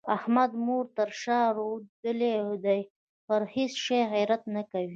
احمد مور تر شا رودلې ده؛ پر هيڅ شي غيرت نه کوي.